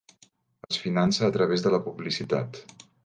Es finança a través de la publicitat.